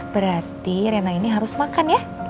berarti rena ini harus makan ya